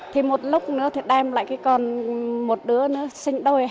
thì một lúc nữa thì đem lại cái con một đứa nó sinh đôi